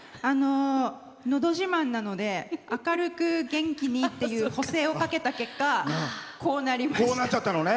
「のど自慢」なので明るく元気にっていう補正をかけた結果こうなりました。